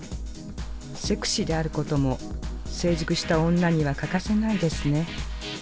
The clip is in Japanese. セクシーであることも成熟した女には欠かせないですね」。